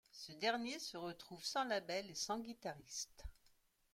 Ce dernier se retrouve sans label et sans guitariste.